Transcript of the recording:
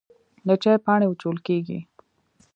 د چای پاڼې وچول کیږي